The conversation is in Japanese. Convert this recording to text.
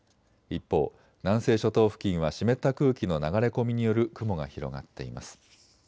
一方、南西諸島付近は湿った空気の流れ込みによる雲が広がっています。